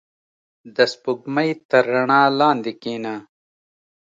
• د سپوږمۍ تر رڼا لاندې کښېنه.